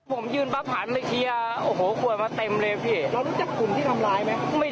ผมยืนปั๊บผ่านเลยเทียร์โอ้โหกลัวมาเต็มเลยพี่